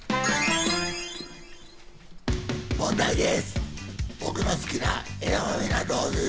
問題です。